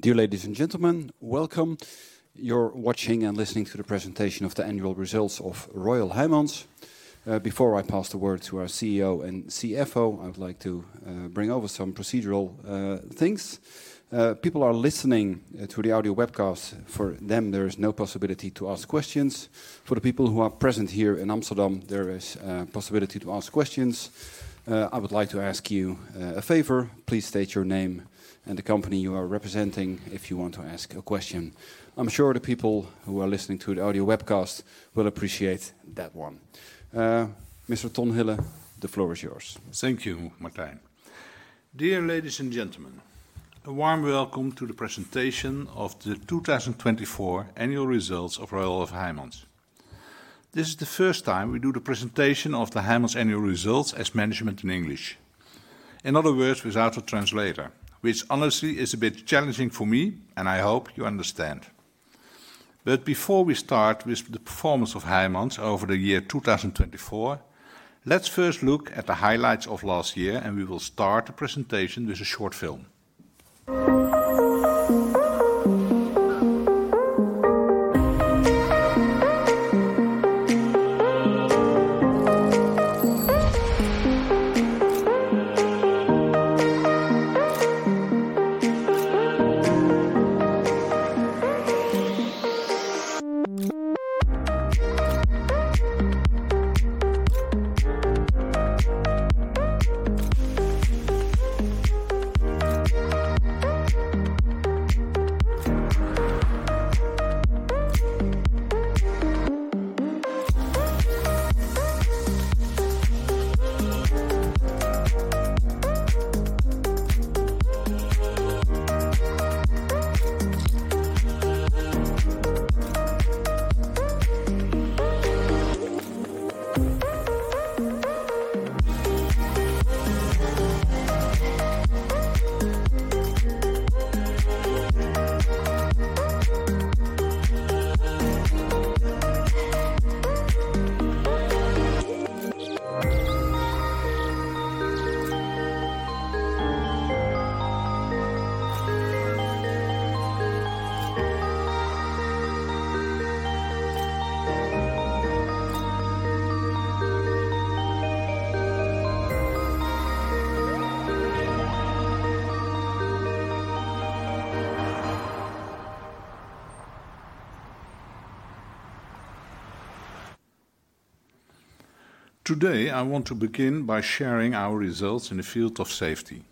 Dear ladies and gentlemen, welcome. You're watching and listening to the presentation of the annual results of Royal Heijmans. Before I pass the word to our CEO and CFO, I would like to bring over some procedural things. People are listening to the audio webcast. For them, there is no possibility to ask questions. For the people who are present here in Amsterdam, there is a possibility to ask questions. I would like to ask you a favor. Please state your name and the company you are representing if you want to ask a question. I'm sure the people who are listening to the audio webcast will appreciate that one. Mr. Ton Hillen, the floor is yours. Thank you, Martijn. Dear ladies and gentlemen, a warm welcome to the presentation of the 2024 annual results of Royal Heijmans. This is the first time we do the presentation of the Heijmans annual results as management in English. In other words, without a translator, which honestly is a bit challenging for me, and I hope you understand. But before we start with the performance of Heijmans over the year 2024, let's first look at the highlights of last year, and we will start the presentation with a short film. Today, I want to begin by sharing our results in the field of safety.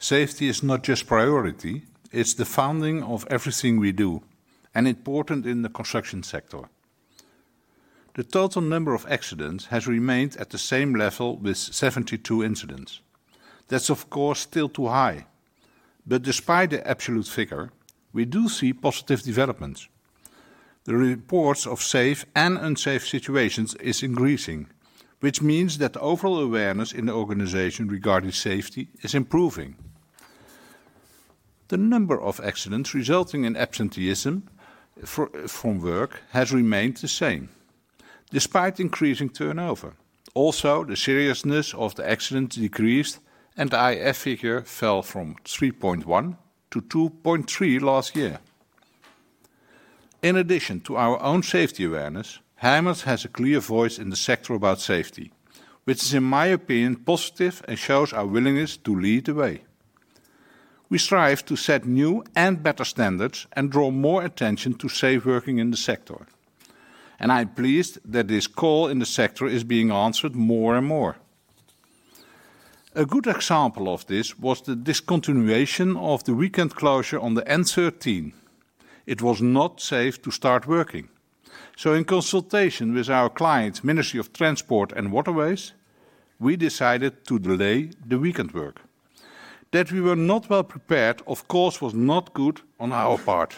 Safety is not just priority. It's the foundation of everything we do and important in the construction sector. The total number of accidents has remained at the same level with 72 incidents. That's, of course, still too high. But despite the absolute figure, we do see positive developments. The reports of safe and unsafe situations are increasing, which means that overall awareness in the organization regarding safety is improving. The number of accidents resulting in absenteeism from work has remained the same, despite increasing turnover. Also, the seriousness of the accidents decreased, and the IF figure fell from 3.1 to 2.3 last year. In addition to our own safety awareness, Heijmans has a clear voice in the sector about safety, which is, in my opinion, positive and shows our willingness to lead the way. We strive to set new and better standards and draw more attention to safe working in the sector. And I'm pleased that this call in the sector is being answered more and more. A good example of this was the discontinuation of the weekend closure on the N13. It was not safe to start working. So, in consultation with our client, the Ministry of Transport and Waterways, we decided to delay the weekend work. That we were not well prepared, of course, was not good on our part.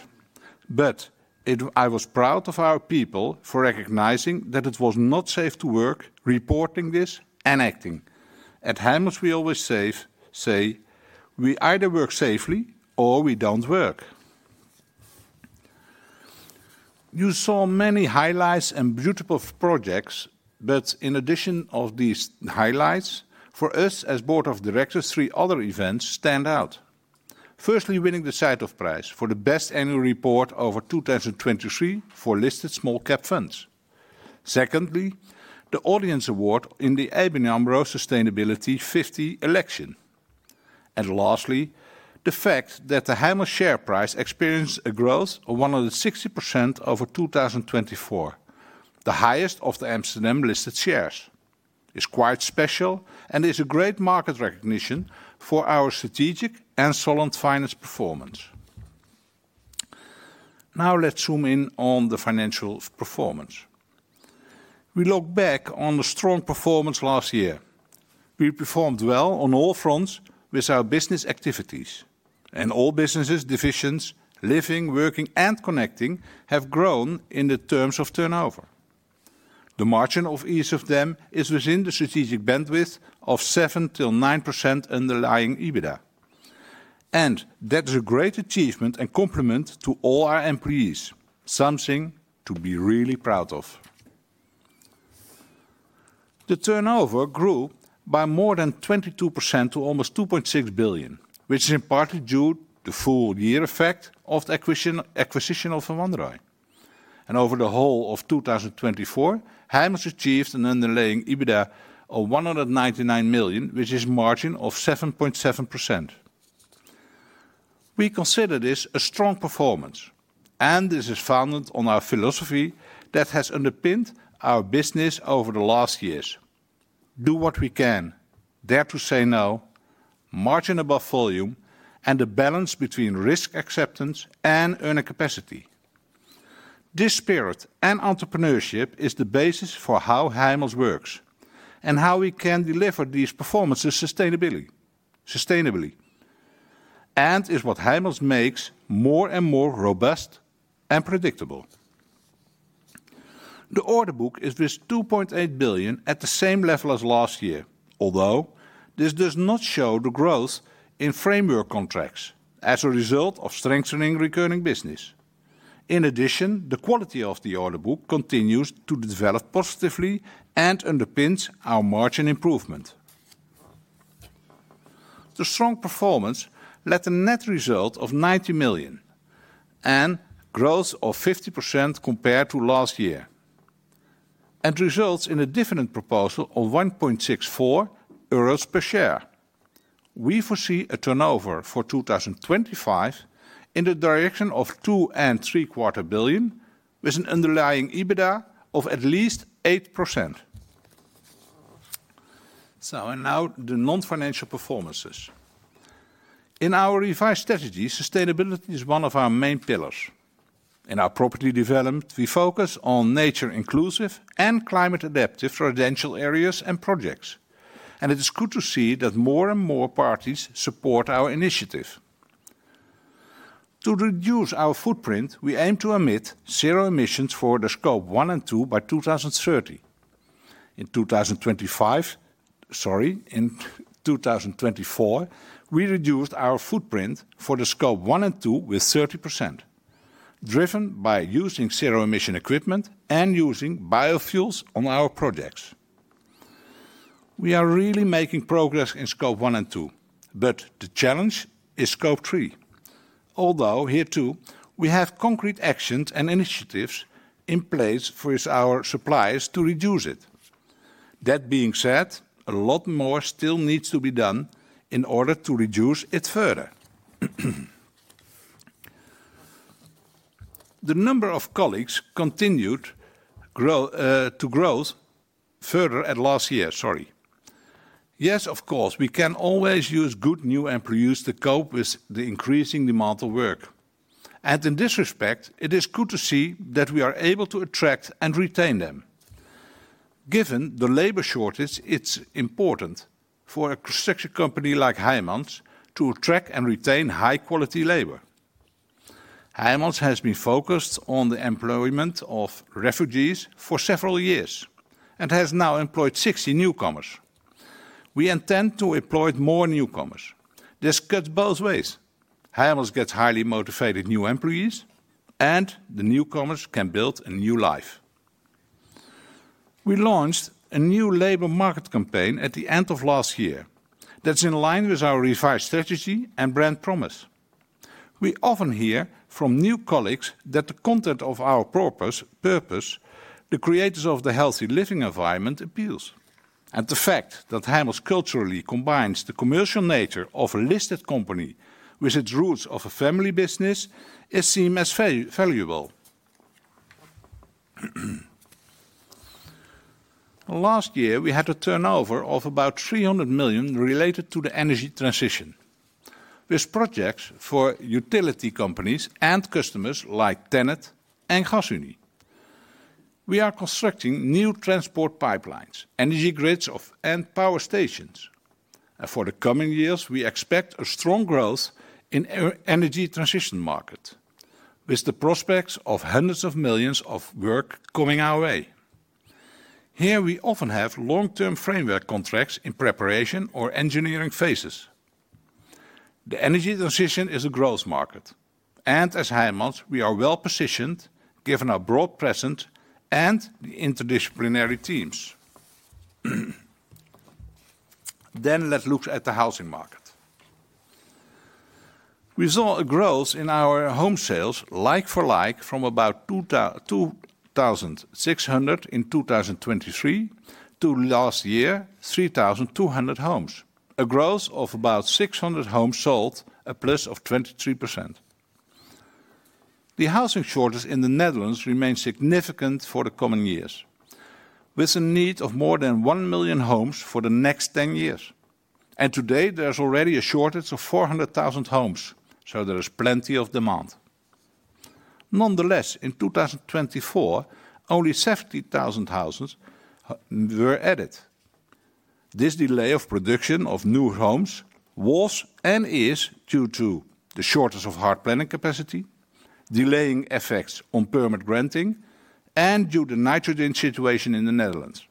But I was proud of our people for recognizing that it was not safe to work, reporting this, and acting. At Heijmans, we always say, "We either work safely or we don't work." You saw many highlights and beautiful projects, but in addition to these highlights, for us as Board of Directors, three other events stand out. Firstly, winning the Sijthoff Prize for the best annual report over 2023 for listed small-cap funds. Secondly, the Audience Award in the ABN AMRO Sustainability 50 election. And lastly, the fact that the Heijmans share price experienced a growth of 160% over 2024, the highest of the Amsterdam-listed shares. It's quite special and is a great market recognition for our strategic and solid financial performance. Now, let's zoom in on the financial performance. We look back on the strong performance last year. We performed well on all fronts with our business activities, and all businesses, divisions, Living, Working, and Connecting have grown in terms of turnover. The margin of each of them is within the strategic bandwidth of 7% to 9% underlying EBITDA, and that is a great achievement and compliment to all our employees. Something to be really proud of. The turnover grew by more than 22% to almost 2.6 billion, which is in part due to the full year effect of the acquisition of Van Wanrooij, and over the whole of 2024, Heijmans achieved an underlying EBITDA of 199 million, which is a margin of 7.7%. We consider this a strong performance, and this is founded on our philosophy that has underpinned our business over the last years: do what we can, dare to say no, margin above volume, and the balance between risk acceptance and earning capacity. This spirit and entrepreneurship is the basis for how Heijmans works and how we can deliver these performances sustainably, and it's what Heijmans makes more and more robust and predictable. The order book is with 2.8 billion at the same level as last year, although this does not show the growth in framework contracts as a result of strengthening recurring business. In addition, the quality of the order book continues to develop positively and underpins our margin improvement. The strong performance led to a net result of 90 million and growth of 50% compared to last year, and results in a dividend proposal of 1.64 euros per share. We foresee a turnover for 2025 in the direction of EUR two and three-quarter billion, with an underlying EBITDA of at least 8%. So, and now the non-financial performances. In our revised strategy, sustainability is one of our main pillars. In our property development, we focus on nature-inclusive and climate-adaptive residential areas and projects. And it is good to see that more and more parties support our initiative. To reduce our footprint, we aim to emit zero emissions for the Scope 1 and 2 by 2030. In 2025, sorry, in 2024, we reduced our footprint for the Scope 1 and 2 with 30%, driven by using zero-emission equipment and using biofuels on our projects. We are really making progress in Scope 1 and 2, but the challenge is Scope 3. Although here too, we have concrete actions and initiatives in place for our suppliers to reduce it. That being said, a lot more still needs to be done in order to reduce it further. The number of colleagues continued to grow further at last year, sorry. Yes, of course, we can always use good new employees to cope with the increasing demand for work, and in this respect, it is good to see that we are able to attract and retain them. Given the labor shortage, it's important for a construction company like Heijmans to attract and retain high-quality labor. Heijmans has been focused on the employment of refugees for several years and has now employed 60 newcomers. We intend to employ more newcomers. This cuts both ways. Heijmans gets highly motivated new employees, and the newcomers can build a new life. We launched a new labor market campaign at the end of last year. That's in line with our revised strategy and brand promise. We often hear from new colleagues that the content of our purpose, the creators of the healthy living environment, appeals. The fact that Heijmans culturally combines the commercial nature of a listed company with its roots of a family business is seen as valuable. Last year, we had a turnover of about 300 million related to the energy transition, with projects for utility companies and customers like TenneT and Gasunie. We are constructing new transport pipelines, energy grids, and power stations. For the coming years, we expect a strong growth in the energy transition market, with the prospects of hundreds of millions of work coming our way. Here, we often have long-term framework contracts in preparation or engineering phases. The energy transition is a growth market. As Heijmans, we are well positioned given our broad presence and the interdisciplinary teams. Then let's look at the housing market. We saw a growth in our home sales, like for like, from about 2,600 in 2023 to last year, 3,200 homes. A growth of about 600 homes sold, a plus of 23%. The housing shortage in the Netherlands remains significant for the coming years, with a need of more than 1 million homes for the next 10 years. Today, there's already a shortage of 400,000 homes, so there is plenty of demand. Nonetheless, in 2024, only 70,000 houses were added. This delay of production of new homes was and is due to the shortage of hard planning capacity, delaying effects on permit granting, and due to the nitrogen situation in the Netherlands.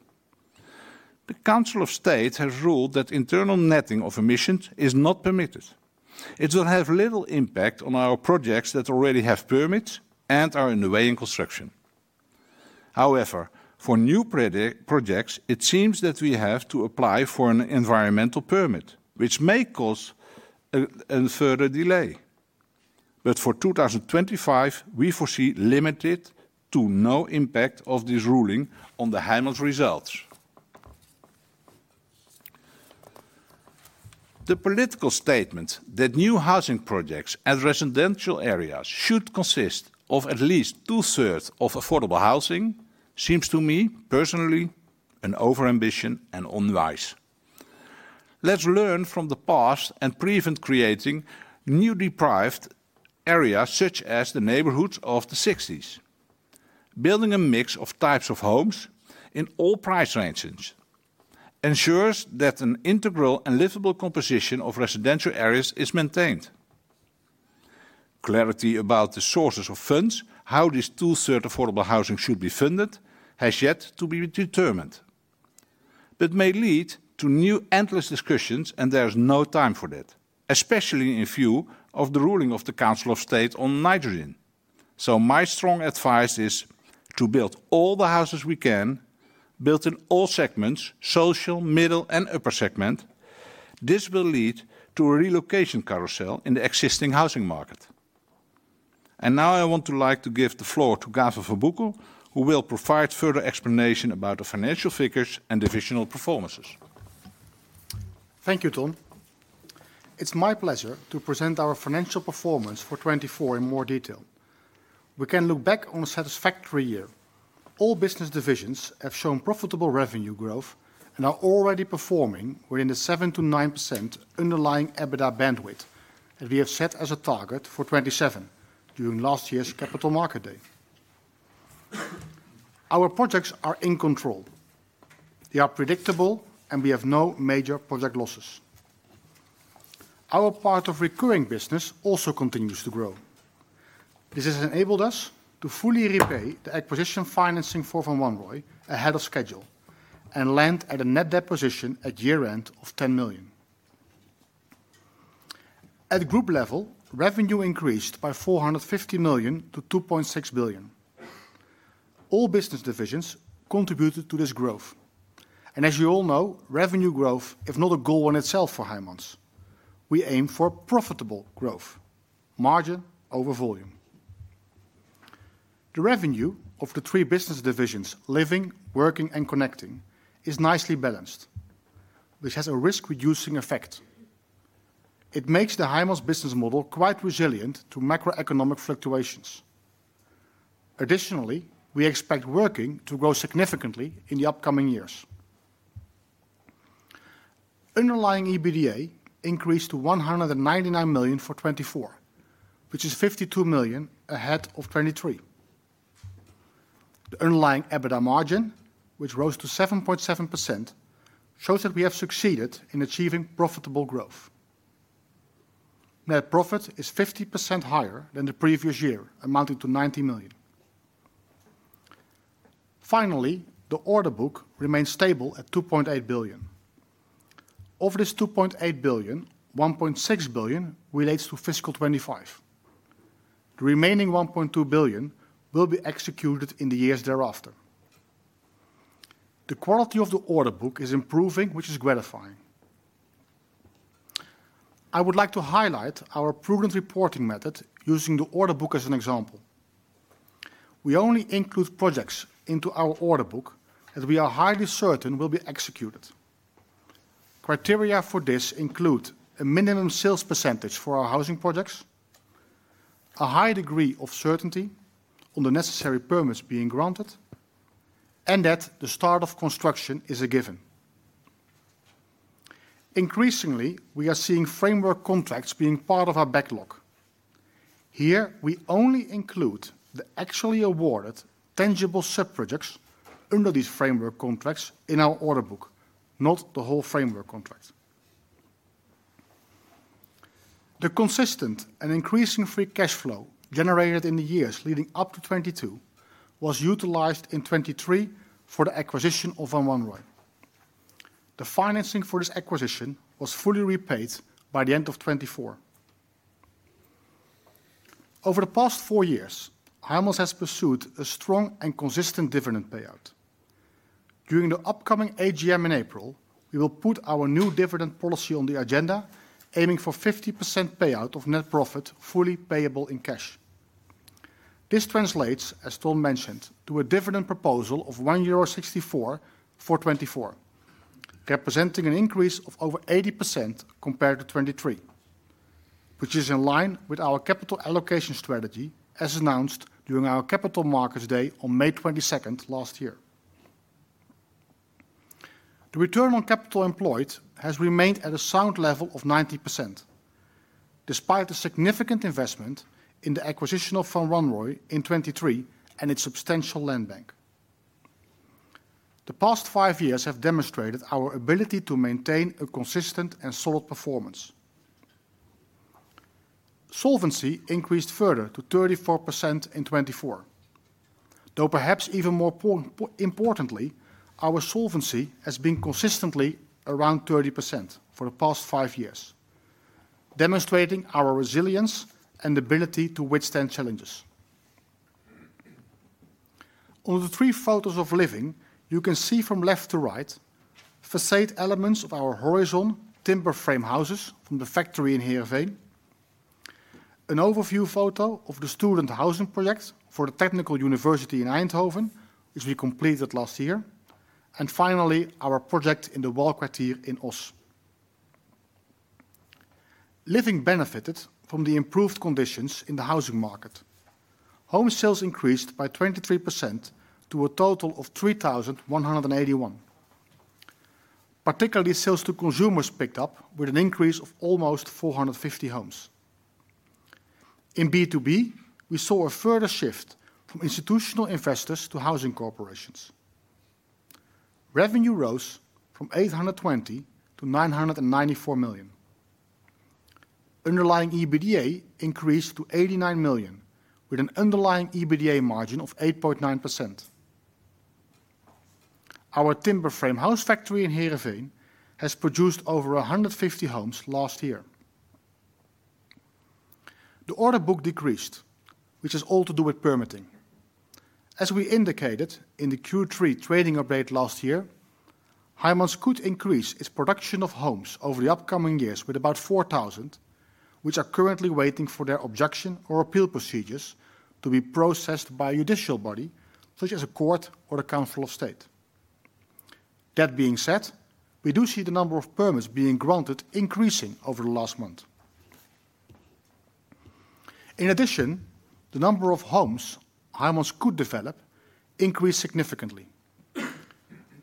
The Council of State has ruled that internal netting of emissions is not permitted. It will have little impact on our projects that already have permits and are underway in construction. However, for new projects, it seems that we have to apply for an environmental permit, which may cause a further delay. But for 2025, we foresee limited to no impact of this ruling on the Heijmans results. The political statement that new housing projects and residential areas should consist of at least two-thirds of affordable housing seems to me, personally, an overambition and unwise. Let's learn from the past and prevent creating new deprived areas such as the neighborhoods of the 60s. Building a mix of types of homes in all price ranges ensures that an integral and livable composition of residential areas is maintained. Clarity about the sources of funds, how these two-thirds affordable housing should be funded, has yet to be determined. But may lead to new endless discussions, and there is no time for that, especially in view of the ruling of the Council of State on nitrogen. So my strong advice is to build all the houses we can, built in all segments, social, middle, and upper segment. This will lead to a relocation carousel in the existing housing market. And now I want to like to give the floor to Gavin van Boekel, who will provide further explanation about the financial figures and divisional performances. Thank you, Ton. It's my pleasure to present our financial performance for 2024 in more detail. We can look back on a satisfactory year. All business divisions have shown profitable revenue growth and are already performing within the 7%-9% underlying EBITDA bandwidth that we have set as a target for 2027 during last year's Capital Markets Day. Our projects are in control. They are predictable, and we have no major project losses. Our part of recurring business also continues to grow. This has enabled us to fully repay the acquisition financing for Van Wanrooij ahead of schedule and land at a net debt position at year-end of 10 million. At group level, revenue increased by 450 million to 2.6 billion. All business divisions contributed to this growth, and as you all know, revenue growth is not a goal in itself for Heijmans. We aim for profitable growth, margin over volume. The revenue of the three business divisions, living, working, and connecting, is nicely balanced, which has a risk-reducing effect. It makes the Heijmans business model quite resilient to macroeconomic fluctuations. Additionally, we expect working to grow significantly in the upcoming years. Underlying EBITDA increased to 199 million for 2024, which is 52 million ahead of 2023. The underlying EBITDA margin, which rose to 7.7%, shows that we have succeeded in achieving profitable growth. Net profit is 50% higher than the previous year, amounting to 90 million. Finally, the order book remains stable at 2.8 billion. Of this 2.8 billion, 1.6 billion relates to fiscal 2025. The remaining 1.2 billion will be executed in the years thereafter. The quality of the order book is improving, which is gratifying. I would like to highlight our prudent reporting method using the order book as an example. We only include projects into our order book that we are highly certain will be executed. Criteria for this include a minimum sales percentage for our housing projects, a high degree of certainty on the necessary permits being granted, and that the start of construction is a given. Increasingly, we are seeing framework contracts being part of our backlog. Here, we only include the actually awarded tangible sub-projects under these framework contracts in our order book, not the whole framework contract. The consistent and increasing free cash flow generated in the years leading up to 2022 was utilized in 2023 for the acquisition of Van Wanrooij. The financing for this acquisition was fully repaid by the end of 2024. Over the past four years, Heijmans has pursued a strong and consistent dividend payout. During the upcoming AGM in April, we will put our new dividend policy on the agenda, aiming for 50% payout of net profit fully payable in cash. This translates, as Ton mentioned, to a dividend proposal of 1.64 euro for 2024, representing an increase of over 80% compared to 2023, which is in line with our capital allocation strategy as announced during our capital markets day on May 22 last year. The return on capital employed has remained at a sound level of 90%, despite the significant investment in the acquisition of Van Wanrooij in 2023 and its substantial land bank. The past five years have demonstrated our ability to maintain a consistent and solid performance. Solvency increased further to 34% in 2024. Though perhaps even more importantly, our solvency has been consistently around 30% for the past five years, demonstrating our resilience and ability to withstand challenges. On the three photos of living, you can see from left to right facade elements of our Horizon timber frame houses from the factory in Heerenveen, an overview photo of the student housing project for the Technical University in Eindhoven, which we completed last year, and finally, our project in the Walkwartier in Oss. Living benefited from the improved conditions in the housing market. Home sales increased by 23% to a total of 3,181. Particularly, sales to consumers picked up with an increase of almost 450 homes. In B2B, we saw a further shift from institutional investors to housing corporations. Revenue rose from 820 million to 994 million. Underlying EBITDA increased to 89 million, with an underlying EBITDA margin of 8.9%. Our timber frame house factory in Heerenveen has produced over 150 homes last year. The order book decreased, which has all to do with permitting. As we indicated in the Q3 trading update last year, Heijmans could increase its production of homes over the upcoming years with about 4,000, which are currently waiting for their objection or appeal procedures to be processed by a judicial body, such as a court or the Council of State. That being said, we do see the number of permits being granted increasing over the last month. In addition, the number of homes Heijmans could develop increased significantly.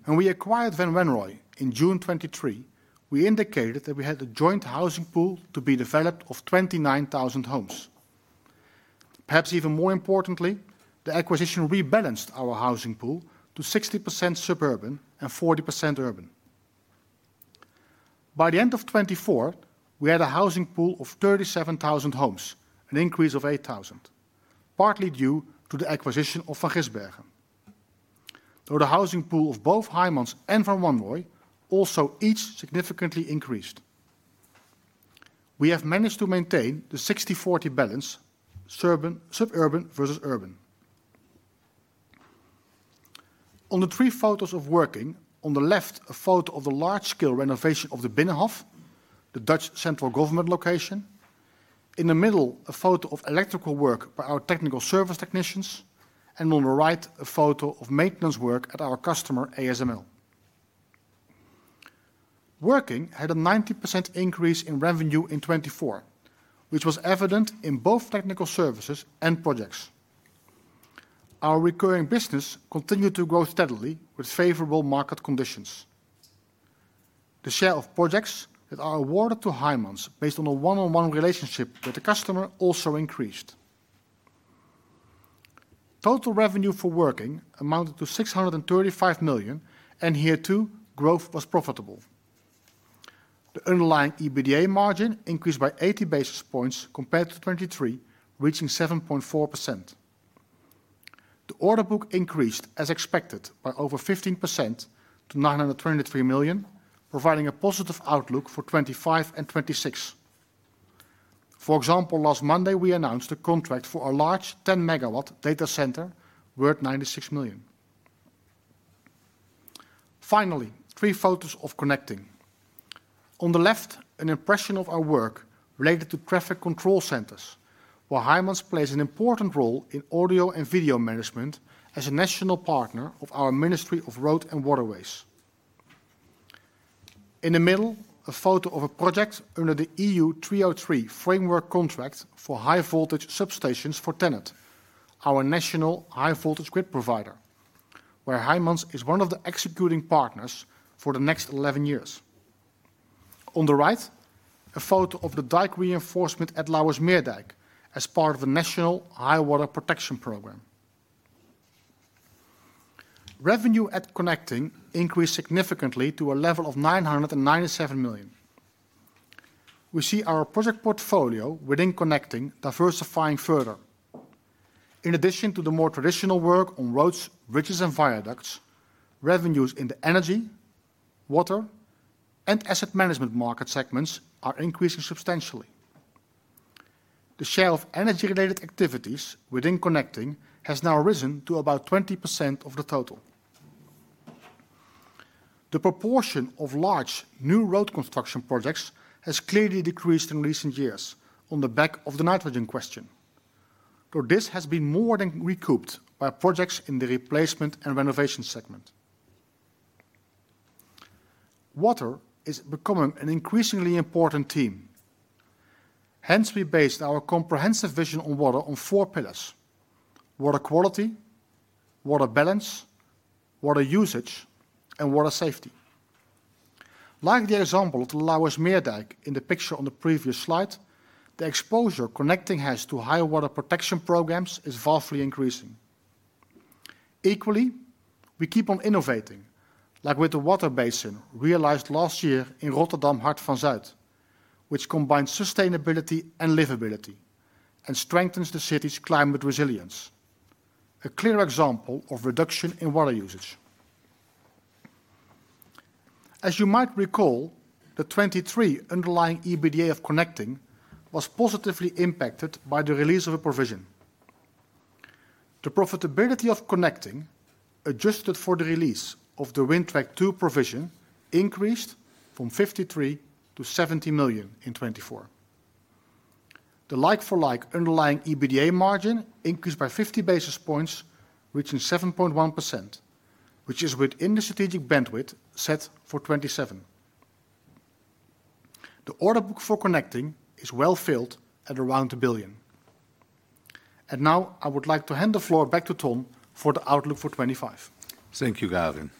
When we acquired Van Wanrooij in June 2023, we indicated that we had a joint housing pool to be developed of 29,000 homes. Perhaps even more importantly, the acquisition rebalanced our housing pool to 60% suburban and 40% urban. By the end of 2024, we had a housing pool of 37,000 homes, an increase of 8,000, partly due to the acquisition of Van Gisbergen. Though the housing pool of both Heijmans and Van Wanrooij also each significantly increased, we have managed to maintain the 60-40 balance, suburban versus urban. On the three photos of working, on the left, a photo of the large-scale renovation of the Binnenhof, the Dutch central government location. In the middle, a photo of electrical work by our technical service technicians, and on the right, a photo of maintenance work at our customer ASML. Working had a 90% increase in revenue in 2024, which was evident in both technical services and projects. Our recurring business continued to grow steadily with favorable market conditions. The share of projects that are awarded to Heijmans based on a one-on-one relationship with the customer also increased. Total revenue for working amounted to 635 million, and here too, growth was profitable. The underlying EBITDA margin increased by 80 basis points compared to 2023, reaching 7.4%. The order book increased, as expected, by over 15% to 923 million, providing a positive outlook for 2025 and 2026. For example, last Monday, we announced a contract for a large 10-megawatt data center, worth 96 million. Finally, three photos of connecting. On the left, an impression of our work related to traffic control centers, where Heijmans plays an important role in audio and video management as a national partner of our Ministry of Road and Waterways. In the middle, a photo of a project under the EU-303 framework contract for high-voltage substations for TenneT, our national high-voltage grid provider, where Heijmans is one of the executing partners for the next 11 years. On the right, a photo of the dike reinforcement at Lauwersmeerdijk as part of the National Highwater Protection Program. Revenue at connecting increased significantly to a level of 997 million. We see our project portfolio within connecting diversifying further. In addition to the more traditional work on roads, bridges, and viaducts, revenues in the energy, water, and asset management market segments are increasing substantially. The share of energy-related activities within Connecting has now risen to about 20% of the total. The proportion of large new road construction projects has clearly decreased in recent years on the back of the nitrogen question, though this has been more than recouped by projects in the replacement and renovation segment. Water is becoming an increasingly important theme. Hence, we based our comprehensive vision on water on four pillars: water quality, water balance, water usage, and water safety. Like the example of the Lauwersmeerdijk in the picture on the previous slide, the exposure Connecting has to high-water protection programs is vastly increasing. Equally, we keep on innovating, like with the water basin realized last year in Rotterdam Hart van Zuid, which combines sustainability and livability and strengthens the city's climate resilience, a clear example of reduction in water usage. As you might recall, the 2023 underlying EBITDA of connecting was positively impacted by the release of a provision. The profitability of connecting, adjusted for the release of the Wintrack II provision, increased from 53 million to 70 million in 2024. The like-for-like underlying EBITDA margin increased by 50 basis points, reaching 7.1%, which is within the strategic bandwidth set for 2027. The order book for connecting is well filled at around 1 billion, and now, I would like to hand the floor back to Ton for the outlook for 2025. Thank you, Gavin.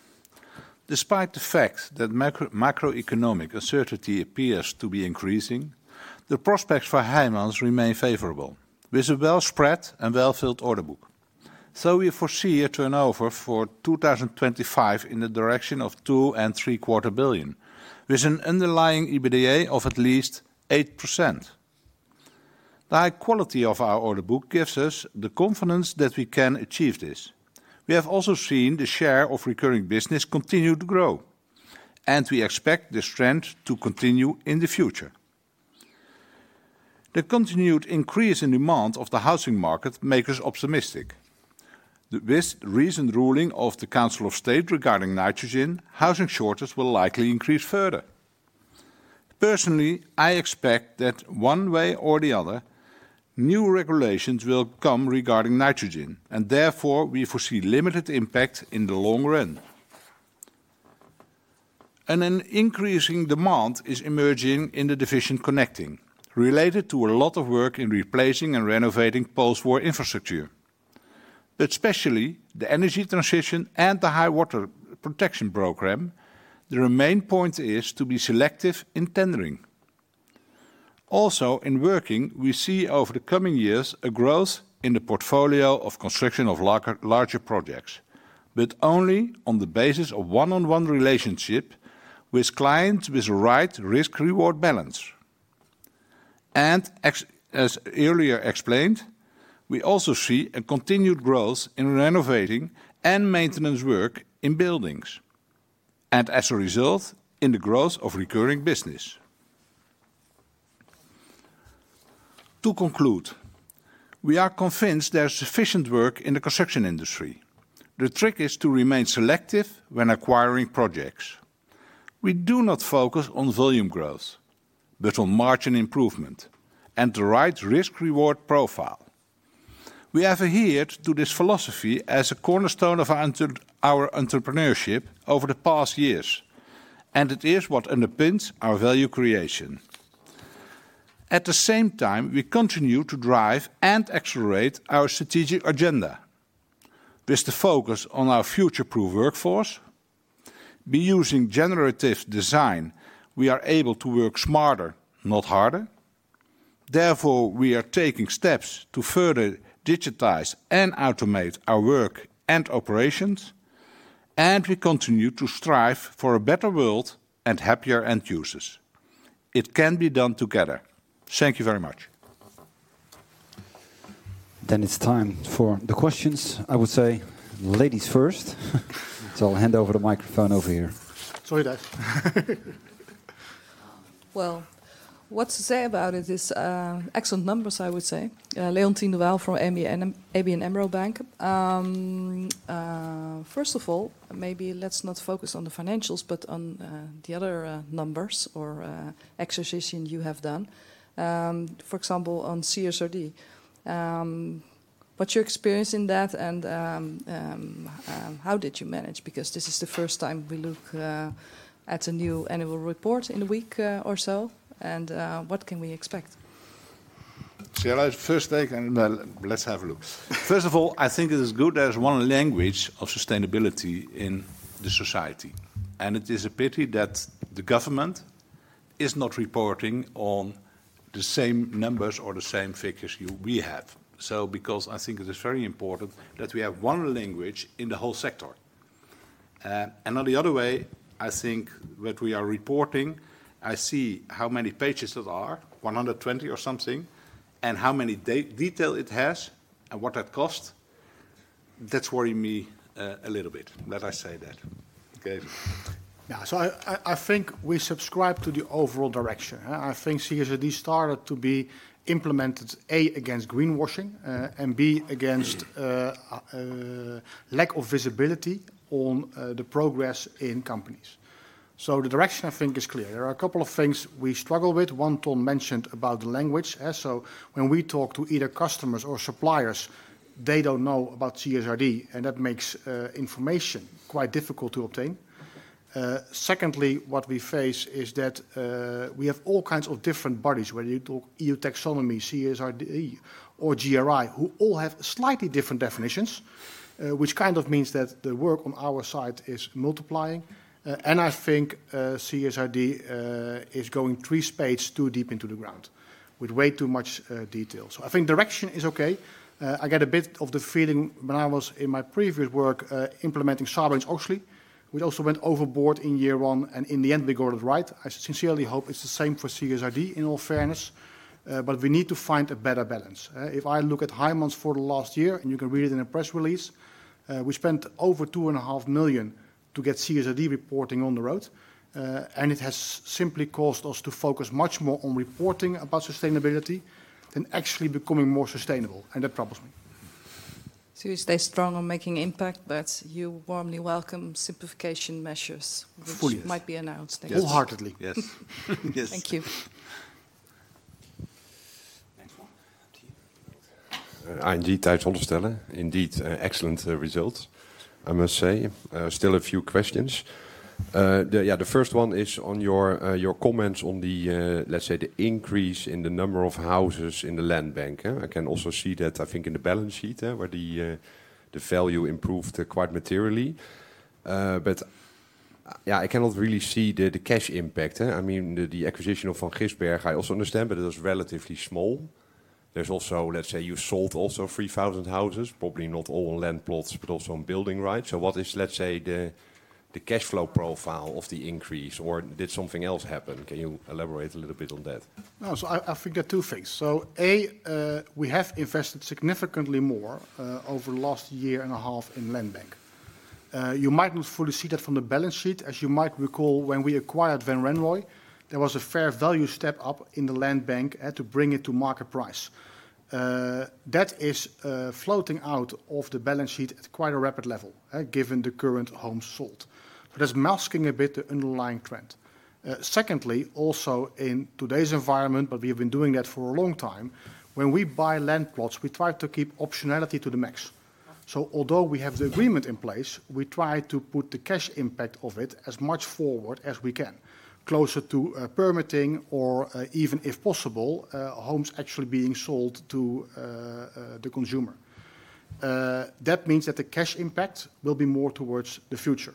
Despite the fact that macroeconomic uncertainty appears to be increasing, the prospects for Heijmans remain favorable, with a well-spread and well-filled order book, so we foresee a turnover for 2025 in the direction of 2.5-3 billion, with an underlying EBITDA of at least 8%. The high quality of our order book gives us the confidence that we can achieve this. We have also seen the share of recurring business continue to grow, and we expect this trend to continue in the future. The continued increase in demand of the housing market makes us optimistic. With recent ruling of the Council of State regarding nitrogen, housing shortages will likely increase further. Personally, I expect that one way or the other, new regulations will come regarding nitrogen, and therefore we foresee limited impact in the long run. An increasing demand is emerging in the division connecting, related to a lot of work in replacing and renovating post-war infrastructure. But especially the energy transition and the highwater protection program, the main point is to be selective in tendering. Also, in working, we see over the coming years a growth in the portfolio of construction of larger projects, but only on the basis of a one-on-one relationship with clients with the right risk-reward balance. And as earlier explained, we also see a continued growth in renovating and maintenance work in buildings, and as a result, in the growth of recurring business. To conclude, we are convinced there is sufficient work in the construction industry. The trick is to remain selective when acquiring projects. We do not focus on volume growth, but on margin improvement and the right risk-reward profile. We have adhered to this philosophy as a cornerstone of our entrepreneurship over the past years, and it is what underpins our value creation. At the same time, we continue to drive and accelerate our strategic agenda, with the focus on our future-proof workforce. By using generative design, we are able to work smarter, not harder. Therefore, we are taking steps to further digitize and automate our work and operations, and we continue to strive for a better world and happier end users. It can be done together. Thank you very much. Then it's time for the questions. I would say, ladies first, so I'll hand over the microphone over here. Sorry, guys. Well, what to say about it is excellent numbers, I would say. Leontien de Waal from ABN AMRO. First of all, maybe let's not focus on the financials, but on the other numbers or exercises you have done, for example, on CSRD. What's your experience in that, and how did you manage? Because this is the first time we look at a new annual report in a week or so, and what can we expect? First, let's have a look. First of all, I think it is good there is one language of sustainability in the society, and it is a pity that the government is not reporting on the same numbers or the same figures we have. So because I think it is very important that we have one language in the whole sector. And on the other way, I think that we are reporting. I see how many pages that are, 120 or something, and how many details it has and what that costs. That's worrying me a little bit that I say that. Okay. Yeah, so I think we subscribe to the overall direction. I think CSRD started to be implemented, A, against greenwashing and B, against lack of visibility on the progress in companies. So the direction I think is clear. There are a couple of things we struggle with. One, Ton mentioned about the language. So when we talk to either customers or suppliers, they don't know about CSRD, and that makes information quite difficult to obtain. Secondly, what we face is that we have all kinds of different bodies, whether you talk EU Taxonomy, CSRD, or GRI, who all have slightly different definitions, which kind of means that the work on our side is multiplying. And I think CSRD is going three spades too deep into the ground with way too much detail. So I think direction is okay. I get a bit of the feeling when I was in my previous work implementing Sarbanes-Oxley, which also went overboard in year one, and in the end, we got it right. I sincerely hope it's the same for CSRD in all fairness, but we need to find a better balance. If I look at Heijmans for the last year, and you can read it in a press release, we spent over 2.5 million to get CSRD reporting on the road, and it has simply caused us to focus much more on reporting about sustainability than actually becoming more sustainable, and that troubles me. So you stay strong on making impact, but you warmly welcome simplification measures which might be announced. Fully. Wholeheartedly. Yes. Thank you. Next one. ING, Tijs Hollestelle, indeed excellent results, I must say. Still a few questions. Yeah, the first one is on your comments on the, let's say, the increase in the number of houses in the land bank. I can also see that, I think, in the balance sheet where the value improved quite materially. But yeah, I cannot really see the cash impact. I mean, the acquisition of Van Gisbergen, I also understand, but it was relatively small. There's also, let's say, you sold also 3,000 houses, probably not all on land plots, but also on building, right? So what is, let's say, the cash flow profile of the increase, or did something else happen? Can you elaborate a little bit on that? No, so I think there are two things. So A, we have invested significantly more over the last year and a half in land bank. You might not fully see that from the balance sheet. As you might recall, when we acquired Van Wanrooij, there was a fair value step up in the land bank to bring it to market price. That is floating out of the balance sheet at quite a rapid level given the current homes sold. So that's masking a bit the underlying trend. Secondly, also in today's environment, but we have been doing that for a long time. When we buy land plots, we try to keep optionality to the max. So although we have the agreement in place, we try to put the cash impact of it as much forward as we can, closer to permitting or, even if possible, homes actually being sold to the consumer. That means that the cash impact will be more towards the future.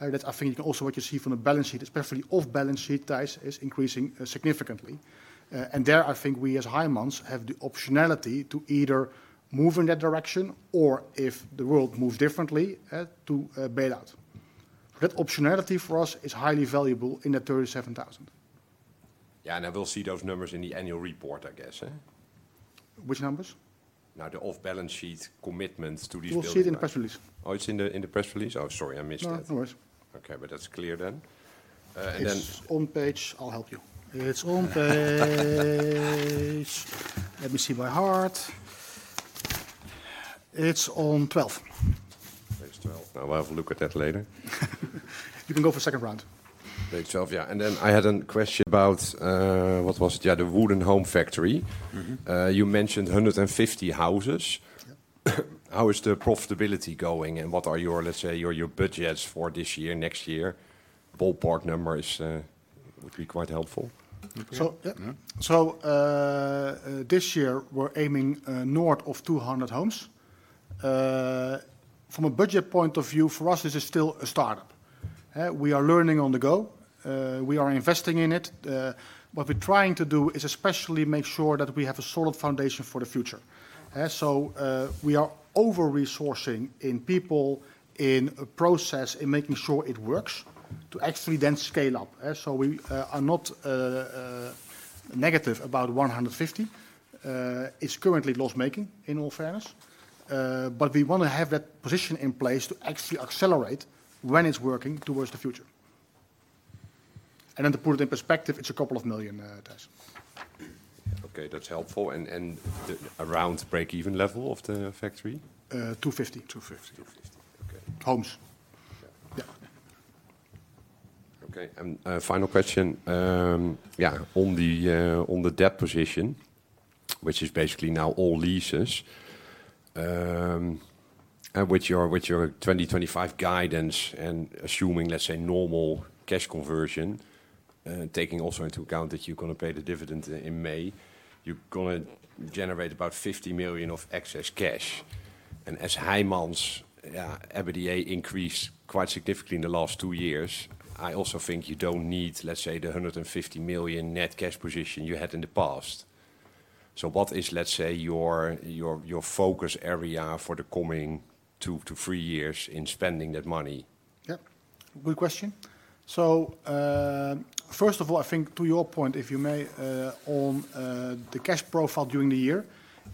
That's, I think, also what you see from the balance sheet, especially off-balance sheet ties is increasing significantly, and there, I think we as Heijmans have the optionality to either move in that direction or, if the world moves differently, to bail out. That optionality for us is highly valuable in that 37,000. Yeah, and I will see those numbers in the annual report, I guess. Which numbers? No, the off-balance sheet commitments to these bills. We'll see it in the press release. Oh, it's in the press release? Oh, sorry, I missed that. No worries. Okay, but that's clear then. It's on page. I'll help you. It's on page. Let me see my hard copy. It's on 12. Page 12. Now, we'll have a look at that later. You can go for a second round. Page 12, yeah. And then I had a question about what was it? Yeah, the Wooden Home Factory. You mentioned 150 houses. How is the profitability going and what are your, let's say, your budgets for this year, next year? Ballpark numbers would be quite helpful. So this year, we're aiming north of 200 homes. From a budget point of view, for us, this is still a startup. We are learning on the go. We are investing in it. What we're trying to do is especially make sure that we have a solid foundation for the future. So we are over-resourcing in people, in a process, in making sure it works to actually then scale up. So we are not negative about 150. It's currently loss-making in all fairness, but we want to have that position in place to actually accelerate when it's working towards the future. And then to put it in perspective, it's a couple of million EUR. Okay, that's helpful. And around break-even level of the factory? 250. 250. 250. Okay. Homes. Yeah. Okay, and final question. Yeah, on the debt position, which is basically now all leases, with your 2025 guidance and assuming, let's say, normal cash conversion, taking also into account that you're going to pay the dividend in May, you're going to generate about 50 million EUR of excess cash. As Heijmans' EBITDA increased quite significantly in the last two years, I also think you don't need, let's say, the 150 million net cash position you had in the past. So what is, let's say, your focus area for the coming two to three years in spending that money? Yeah, good question. So first of all, I think to your point, if I may, on the cash profile during the year,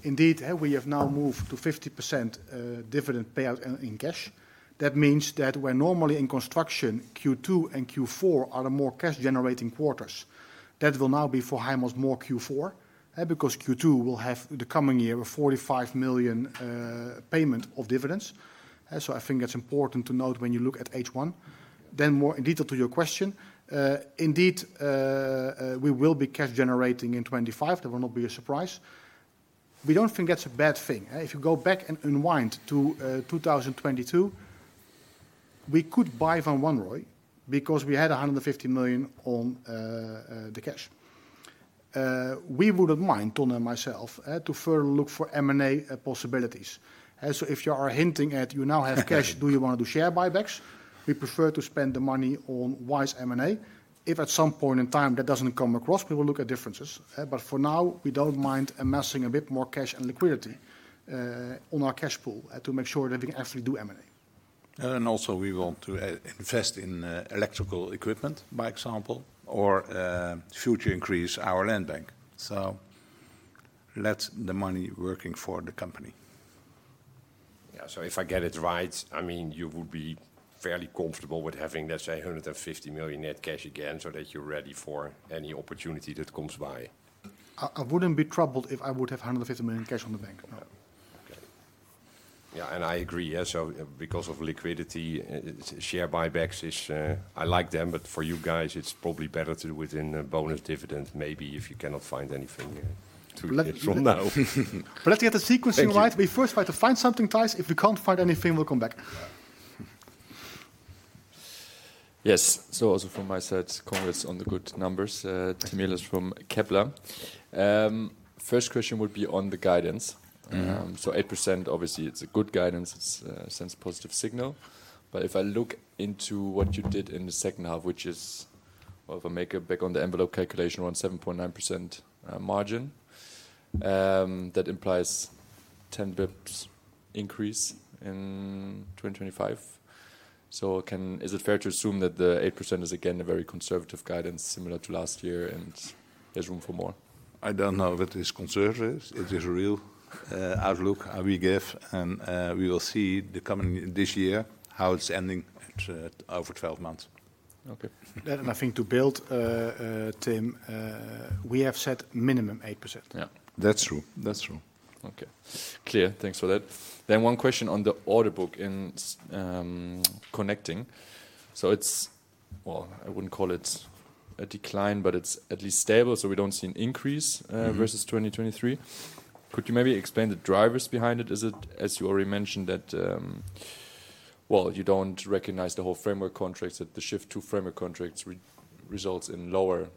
indeed, we have now moved to 50% dividend payout in cash. That means that we're normally in construction Q2 and Q4 are the more cash-generating quarters. That will now be for Heijmans more Q4 because Q2 will have the coming year of 45 million payment of dividends. So I think that's important to note when you look at H1. Then more in detail to your question, indeed, we will be cash-generating in 2025. That will not be a surprise. We don't think that's a bad thing. If you go back and unwind to 2022, we could buy Van Wanrooij because we had 150 million in cash. We wouldn't mind, Ton and myself, to further look for M&A possibilities. So if you are hinting at you now have cash, do you want to do share buybacks? We prefer to spend the money on wise M&A. If at some point in time that doesn't come across, we will look at dividends. But for now, we don't mind amassing a bit more cash and liquidity in our cash pool to make sure that we can actually do M&A. And also we want to invest in electrical equipment, for example, or in future increase our land bank. So let’s get the money working for the company. Yeah, so if I get it right, I mean, you would be fairly comfortable with having, let's say, 150 million net cash again so that you're ready for any opportunity that comes by. I wouldn't be troubled if I would have 150 million cash in the bank. No. Okay. Yeah, and I agree. So because of liquidity, share buybacks, I like them, but for you guys, it's probably better to do it in bonus dividend, maybe if you cannot find anything to do from now. Let's get the sequencing right. We first try to find something, Tijs. If we can't find anything, we'll come back. Yes, so also from my side, congrats on the good numbers. Tim is from Kepler. First question would be on the guidance. So 8%, obviously, it's a good guidance. It sends a positive signal. But if I look into what you did in the second half, which is, if I make it back-of-the-envelope calculation, around 7.9% margin, that implies 10 basis points increase in 2025. So is it fair to assume that the 8% is again a very conservative guidance similar to last year and there's room for more? I don't know if it is conservative. It is a real outlook we give, and we will see this year how it's ending over 12 months. Okay. And I think to build, Tim, we have said minimum 8%. Yeah, that's true. That's true. Okay. Clear. Thanks for that. Then one question on the order book in contracting. So it's, well, I wouldn't call it a decline, but it's at least stable, so we don't see an increase versus 2023. Could you maybe explain the drivers behind it? Is it, as you already mentioned, that, well, you don't recognize the whole framework contracts, that the shift to framework contracts results in lower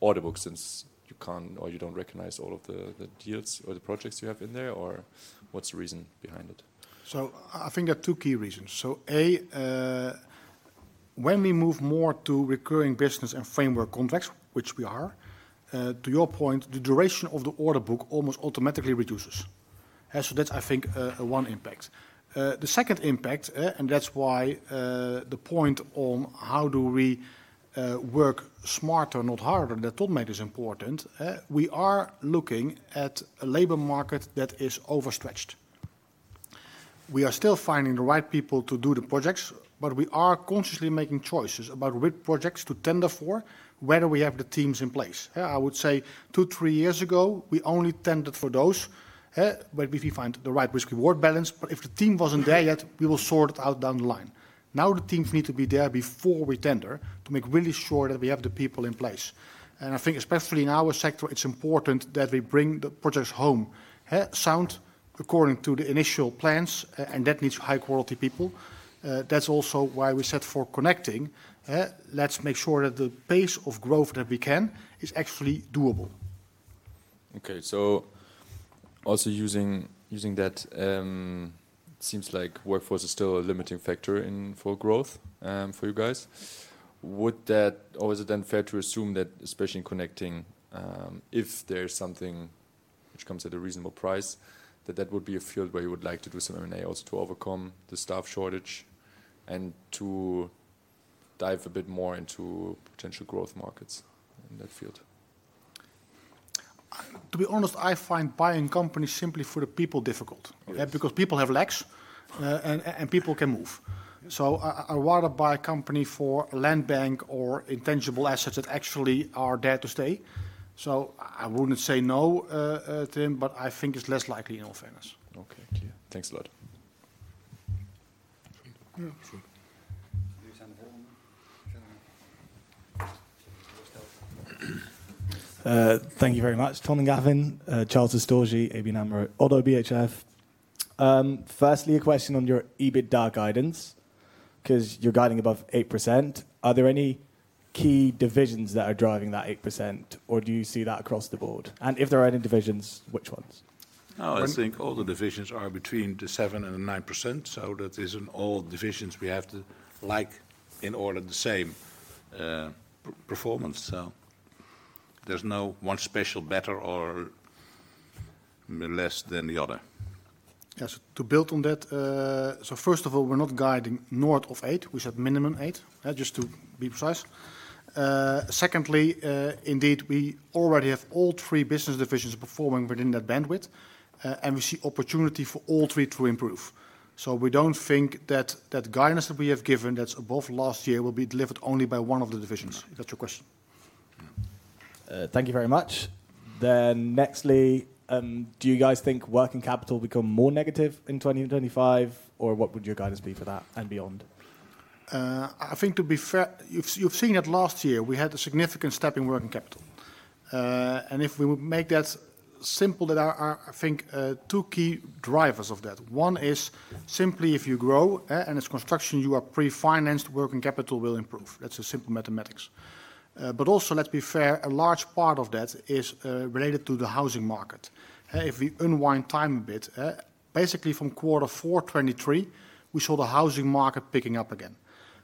order books since you can't or you don't recognize all of the deals or the projects you have in there, or what's the reason behind it? So I think there are two key reasons. So A, when we move more to recurring business and framework contracts, which we are, to your point, the duration of the order book almost automatically reduces. So that's, I think, one impact. The second impact, and that's why the point on how do we work smarter, not harder, that Ton made is important. We are looking at a labor market that is overstretched. We are still finding the right people to do the projects, but we are consciously making choices about which projects to tender for, whether we have the teams in place. I would say two, three years ago, we only tendered for those where we find the right risk-reward balance, but if the team wasn't there yet, we will sort it out down the line. Now the teams need to be there before we tender to make really sure that we have the people in place, and I think especially in our sector, it's important that we bring the projects home sound according to the initial plans, and that needs high-quality people. That's also why we select for connecting. Let's make sure that the pace of growth that we can is actually doable. Okay, so also using that, it seems like workforce is still a limiting factor for growth for you guys. Would that, or is it then fair to assume that especially in connecting, if there's something which comes at a reasonable price, that that would be a field where you would like to do some M&A also to overcome the staff shortage and to dive a bit more into potential growth markets in that field? To be honest, I find buying companies simply for the people difficult because people have legs and people can move. So I'd rather buy a company for land bank or intangible assets that actually are there to stay. So I wouldn't say no, Tim, but I think it's less likely in all fairness. Okay, clear. Thanks a lot. Thank you very much, Ton and Gavin. Charles Estourgie, ABN AMRO. Oddo BHF. Firstly, a question on your EBITDA guidance because you're guiding above 8%. Are there any key divisions that are driving that 8%, or do you see that across the board? And if there are any divisions, which ones? No, I think all the divisions are between 7%-9%, so that isn't all divisions we have to like in order to the same performance. So there's no one special better or less than the other. Yeah, so to build on that, so first of all, we're not guiding north of 8%. We said minimum 8%, just to be precise. Secondly, indeed, we already have all three business divisions performing within that bandwidth, and we see opportunity for all three to improve. So we don't think that guidance that we have given that's above last year will be delivered only by one of the divisions. That's your question. Thank you very much. Then nextly, do you guys think working capital will become more negative in 2025, or what would your guidance be for that and beyond? I think to be fair, you've seen it last year. We had a significant step in working capital. And if we make that simple, there are, I think, two key drivers of that. One is simply if you grow and it's construction, you are pre-financed, working capital will improve. That's a simple mathematics. But also, let's be fair, a large part of that is related to the housing market. If we unwind time a bit, basically from quarter four, 2023, we saw the housing market picking up again.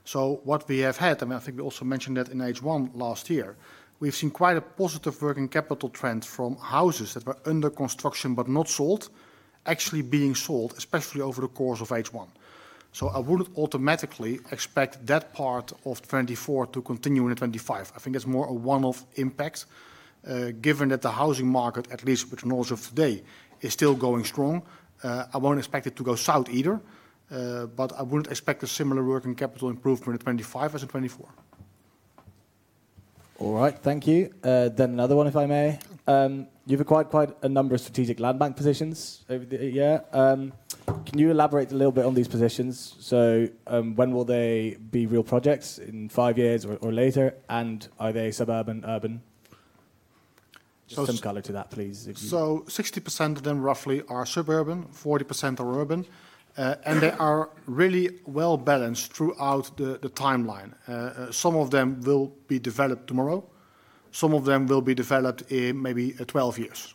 So what we have had, and I think we also mentioned that in H1 last year, we've seen quite a positive working capital trend from houses that were under construction but not sold actually being sold, especially over the course of H1. So I wouldn't automatically expect that part of 2024 to continue in 2025. I think it's more a one-off impact given that the housing market, at least with the knowledge of today, is still going strong. I won't expect it to go south either, but I wouldn't expect a similar working capital improvement in 2025 as in 2024. All right, thank you. Then another one, if I may. You've acquired quite a number of strategic land bank positions over the year. Can you elaborate a little bit on these positions? So when will they be real projects in five years or later? And are they suburban, urban? Just some color to that, please. So 60% of them roughly are suburban, 40% are urban, and they are really well balanced throughout the timeline. Some of them will be developed tomorrow. Some of them will be developed in maybe 12 years.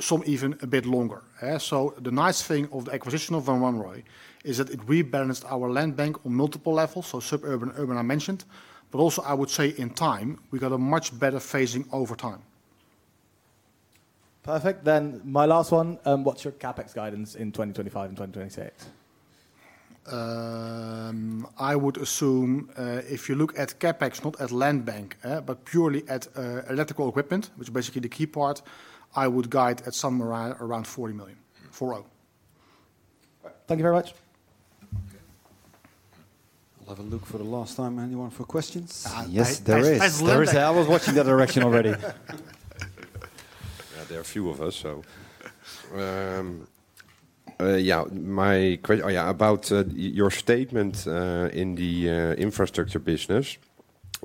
Some even a bit longer. So the nice thing of the acquisition of Van Wanrooij is that it rebalanced our land bank on multiple levels. So suburban, urban, I mentioned, but also I would say in time, we got a much better phasing over time. Perfect. Then my last one, what's your CapEx guidance in 2025 and 2026? I would assume if you look at CapEx, not at land bank, but purely at electrical equipment, which is basically the key part, I would guide at somewhere around 40 million. Thank you very much. I'll have a look for the last time. Anyone for questions? Yes, there is.I was watching that direction already. There are a few of us, so. Yeah, my question about your statement in the infrastructure business,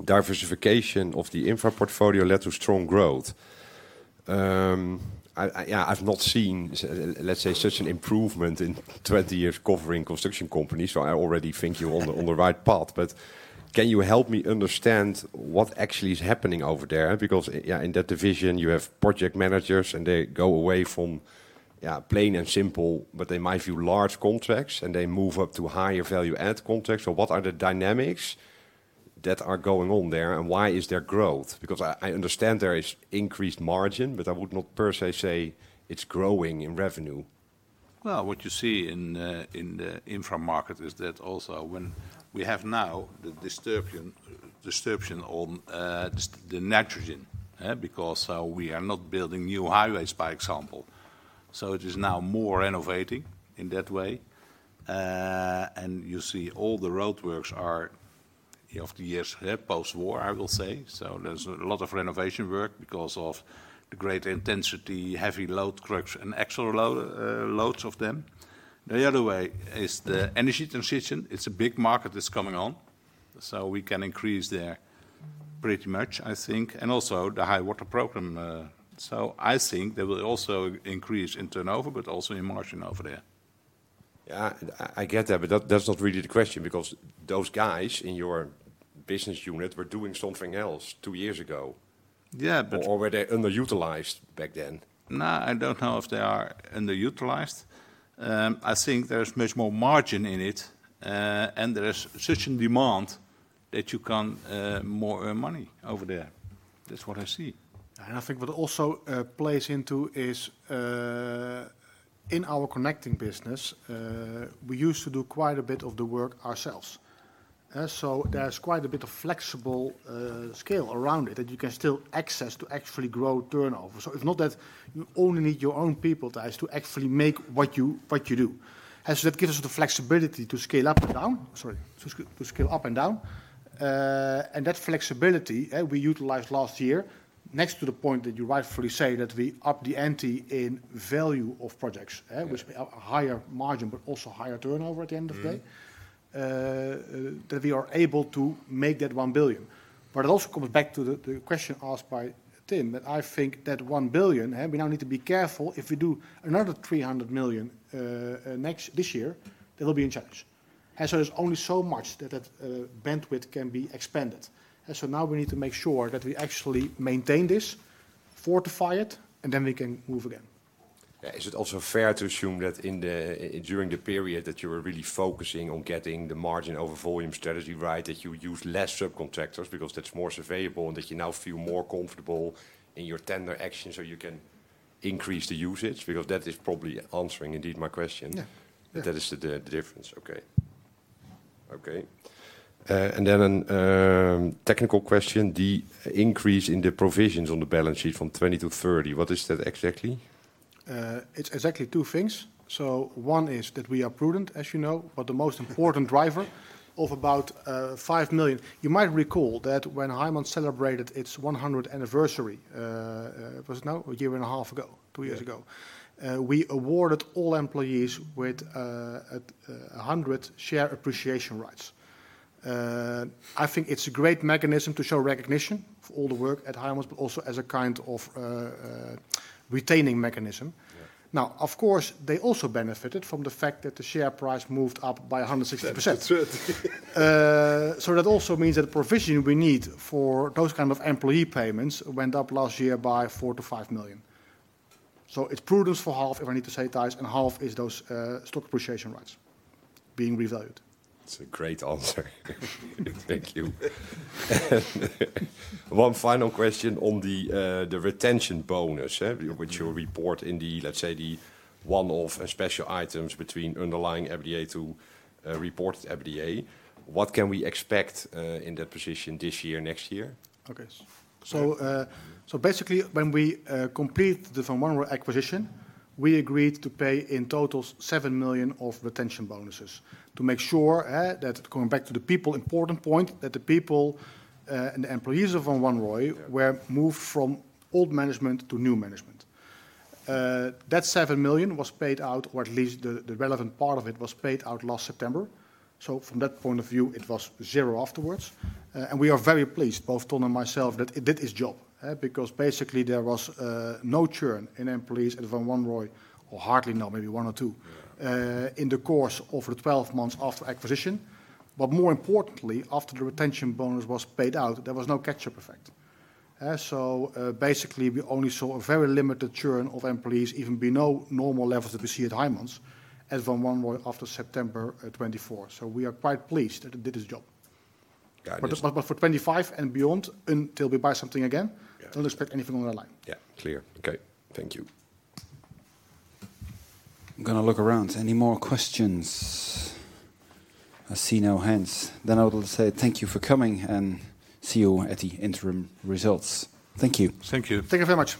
diversification of the infra portfolio led to strong growth. Yeah, I've not seen, let's say, such an improvement in 20 years covering construction companies. So I already think you're on the right path. But can you help me understand what actually is happening over there? Because in that division, you have project managers and they go away from plain and simple, but they might view large contracts and they move up to higher value-added contracts. So what are the dynamics that are going on there and why is there growth? Because I understand there is increased margin, but I would not per se say it's growing in revenue. What you see in the infra market is that also when we have now the disturbing disturbance on the nitrogen because we are not building new highways, for example. It is now more innovating in that way. You see all the roadworks are of the years post-war, I will say. There's a lot of renovation work because of the great intensity, heavy load trucks and extra loads of them. The other way is the energy transition. It's a big market that's coming on. We can increase there pretty much, I think, and also the high water program. I think there will also increase in turnover, but also in margin over there. Yeah, I get that, but that's not really the question because those guys in your business unit were doing something else two years ago. Yeah, but or were they underutilized back then? No, I don't know if they are underutilized. I think there's much more margin in it and there's such a demand that you can more earn money over there. That's what I see. And I think what also plays into is in our connecting business, we used to do quite a bit of the work ourselves. So there's quite a bit of flexible scale around it that you can still access to actually grow turnover. So it's not that you only need your own people, guys, to actually make what you do. And so that gives us the flexibility to scale up and down, sorry, to scale up and down. And that flexibility we utilized last year, next to the point that you rightfully say that we upped the ante in value of projects, which are higher margin, but also higher turnover at the end of the day, that we are able to make that 1 billion. But it also comes back to the question asked by Tim that I think that 1 billion. We now need to be careful if we do another 300 million next this year, there will be a challenge. And so there's only so much that that bandwidth can be expanded. And so now we need to make sure that we actually maintain this, fortify it, and then we can move again. Yeah, is it also fair to assume that during the period that you were really focusing on getting the margin over volume strategy right, that you use less subcontractors because that's more surveyable and that you now feel more comfortable in your tender action so you can increase the usage? Because that is probably answering indeed my question. Yeah, that is the difference. Okay. Okay. And then a technical question, the increase in the provisions on the balance sheet from 20 million to 30 million, what is that exactly? It's exactly two things. So one is that we are prudent, as you know, but the most important driver of about 5 million. You might recall that when Heijmans celebrated its 100th anniversary, was it now a year and a half ago, two years ago, we awarded all employees with 100 share appreciation rights. I think it's a great mechanism to show recognition for all the work at Heijmans, but also as a kind of retaining mechanism. Now, of course, they also benefited from the fact that the share price moved up by 160%. So that also means that the provision we need for those kinds of employee payments went up last year by 4-5 million. So it's prudent for half, if I need to say, guys, and half is those stock appreciation rights being revalued. That's a great answer. Thank you. One final question on the retention bonus, which you'll report in the, let's say, the one-off and special items between underlying EBITDA to reported EBITDA. What can we expect in that position this year, next year? Okay. Basically, when we complete the Van Wanrooij acquisition, we agreed to pay in total 7 million of retention bonuses to make sure that, going back to the people, important point, that the people and the employees of Van Wanrooij were moved from old management to new management. That 7 million was paid out, or at least the relevant part of it was paid out last September. So from that point of view, it was zero afterwards. And we are very pleased, both Ton and myself, that it did its job because basically there was no churn in employees at Van Wanrooij, or hardly now, maybe one or two, in the course of the 12 months after acquisition. But more importantly, after the retention bonus was paid out, there was no catch-up effect. So basically, we only saw a very limited churn of employees, even below normal levels that we see at Heijmans at Van Wanrooij after September 2024. So we are quite pleased that it did its job. But for 2025 and beyond, until we buy something again, don't expect anything on that line. Yeah, clear. Okay, thank you. I'm going to look around. Any more questions? I see no hands. Then I will say thank you for coming and see you at the interim results. Thank you. Thank you. Thank you very much.